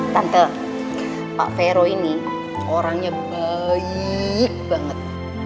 tante pak vero ini orangnya bayi banget